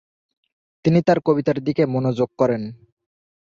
তিনি তার কবিতার দিকে মনোযোগ করেন।